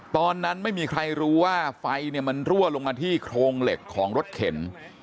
ตอนนั้นไม่มีใครรู้ว่าไฟมันรั่วลงมาที่โครงเหล็กของรถเข็น